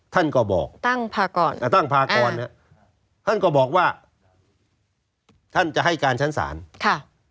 ท่านก็บอกตั้งพากรท่านก็บอกว่าท่านจะให้การชั้นศาลค่ะ